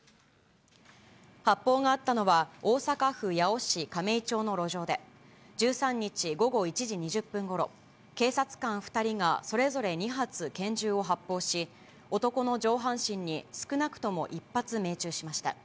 発砲があったのは、大阪府八尾市亀井町の路上で、１３日午後１時２０分ごろ、警察官２人がそれぞれ２発、拳銃を発砲し、男の上半身に少なくとも１発命中しました。